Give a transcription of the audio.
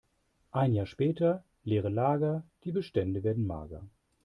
Ein Jahr später: Leere Lager, die Bestände werden mager.